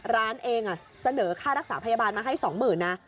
ร้านเองเสนอค่ารักษาพยาบาลมาให้๒๐๐๐นะ